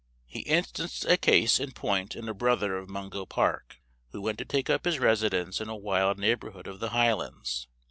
He instanced a case in point in a brother of Mungo Park, who went to take up his residence in a wild neighborhood of the Highlands.